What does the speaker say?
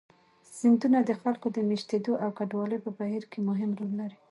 سیندونه د خلکو د مېشتېدو او کډوالۍ په بهیر کې مهم رول لري.